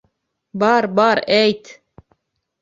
Бар, бар, әйт!